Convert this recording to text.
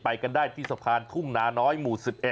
กันได้ที่สะพานทุ่งนาน้อยหมู่๑๑